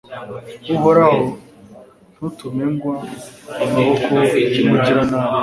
uhoraho, ntutume ngwa mu maboko y'umugiranabi